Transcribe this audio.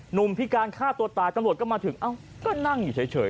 พิการฆ่าตัวตายตำรวจก็มาถึงเอ้าก็นั่งอยู่เฉย